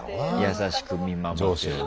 優しく見守ってる。